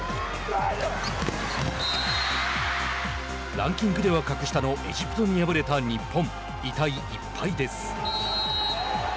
ランキングでは格下のエジプトに敗れた日本。